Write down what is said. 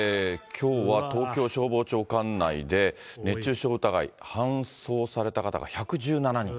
きょうは東京消防庁管内で熱中症疑い、搬送された方が１１７人。